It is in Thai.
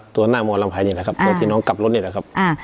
ตัวหน้ามรลำไยนี่แหละครับตอนที่น้องกลับรถนี่แหละครับ